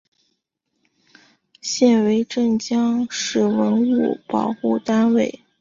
现为镇江市文物保护单位。